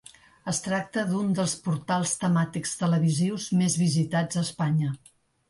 Es tracta d'un dels portals temàtics televisius més visitats a Espanya.